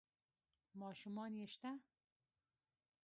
ـ ماشومان يې شته؟